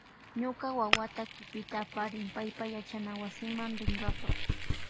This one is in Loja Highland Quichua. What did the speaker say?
Ñuka wawa kipita aparin payapa yachanawasima rinkapa.